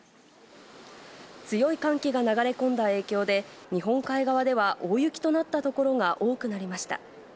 強い寒気が流れ込んだ影響で、日本海側では大雪となった所が多くなりました。